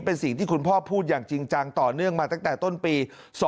เป็นสิ่งที่คุณพ่อพูดอย่างจริงจังต่อเนื่องมาตั้งแต่ต้นปี๒๕๖